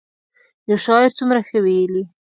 یو شاعر څومره ښه ویلي.